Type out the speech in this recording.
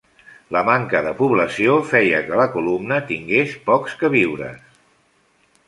La manca de població feia que la columna tingués pocs queviures.